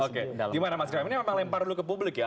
oke gimana mas kram ini memang lempar dulu ke publik ya